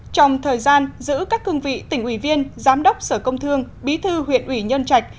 trong thời gian giữ các cương vị tỉnh ủy viên giám đốc sở công thương bí thư huyện ủy nhân trạch